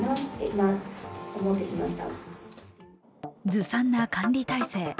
ずさんな管理体制。